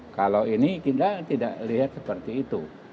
kalau ini kita tidak lihat seperti itu